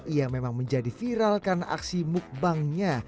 ia memang menjadi viral karena aksi mukbangnya